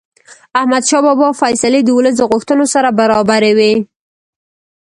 احمدشاه بابا فیصلې د ولس د غوښتنو سره برابرې وې.